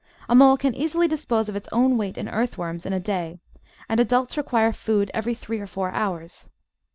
A mole can easily dispose of its own weight in earthworms in a day, and adults require food every three or four hours.